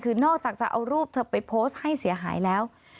คือนอกจากจะเอารูปเธอไปโพสต์ให้เสียหายแล้ว